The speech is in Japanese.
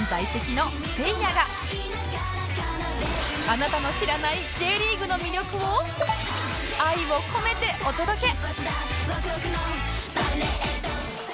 あなたの知らない Ｊ リーグの魅力を愛を込めてお届け！